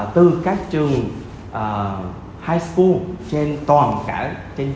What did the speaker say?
từ các trường high school trên toàn cả lĩnh vực